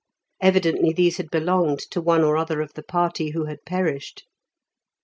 Evidently these had belonged to one or other of the party who had perished.